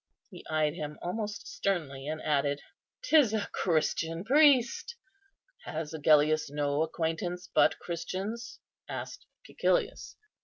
he eyed him almost sternly, and added, "'Tis a Christian priest." "Has Agellius no acquaintance but Christians?" asked Cæcilius.